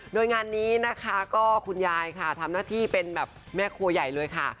โดยงานนี้นะคะก็คุณยายค่ะทำหน้าที่เป็นแบบแม่ครัวใหญ่เลยค่ะ